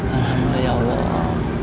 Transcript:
alhamdulillah ya allah